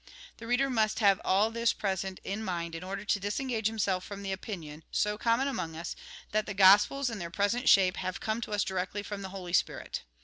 The reader must have all this present in mind in order to disengage himself from the opinion, so common among us, that the Gospels, in their present shape, have come to us directly from the Holy Spirit.